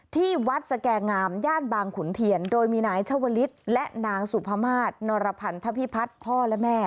ที่วัดสแก่งามย่านบางขุนเทียนโดยมีนายชาวลิศและนางสุภามาศนรพันธพิพัฒน์พ่อและแม่